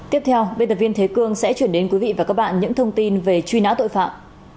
tiếp theo biên tập viên thế cương sẽ chuyển đến quý vị và các bạn những thông tin về truy nã tội phạm